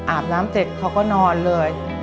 อาบน้ำเสร็จเขาก็นอนเลย